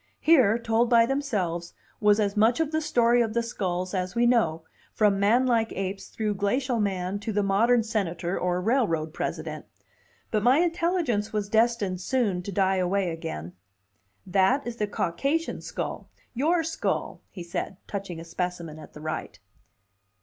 Here, told by themselves, was as much of the story of the skulls as we know, from manlike apes through glacial man to the modern senator or railroad president. But my intelligence was destined soon to die away again. "That is the Caucasian skull: your skull," he said, touching a specimen at the right.